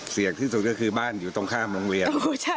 เสี่ยงที่สุดของนี่ก็คือบ้านอยู่ตรงข้ามโรงเรียน